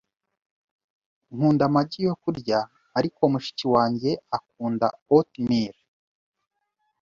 Nkunda amagi yo kurya, ariko mushiki wanjye akunda oatmeal .